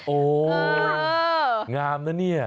โอ้ยงามนะเนี่ย